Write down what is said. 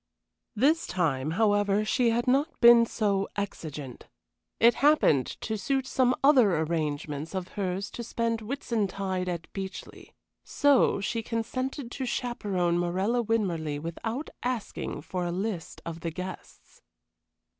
This time, however, she had not been so exigent. It happened to suit some other arrangements of hers to spend Whitsuntide at Beechleigh, so she consented to chaperon Morella Winmarleigh without asking for a list of the guests.